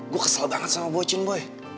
gue kesel banget sama bocin boy